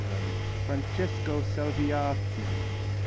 Francesco Salviati.